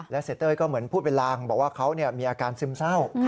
เสียเต้ยก็เหมือนพูดเป็นลางบอกว่าเขามีอาการซึมเศร้า